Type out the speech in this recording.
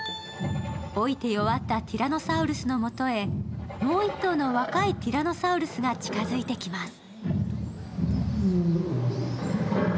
老いて弱ったティラノサウルスの元へもう一頭の若いティラノサウルスが近づいていきます。